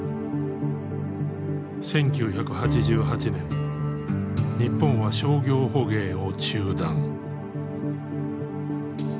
１９８８年日本は商業捕鯨を中断。